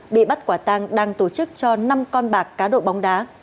bị bắt quả tàng đang tổ chức cho năm con bạc cá độ bóng đá